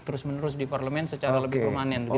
terus menerus di parlemen secara lebih permanen